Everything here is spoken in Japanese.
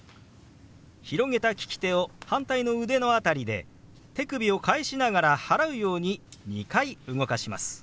広げた利き手を反対の腕の辺りで手首を返しながら払うように２回動かします。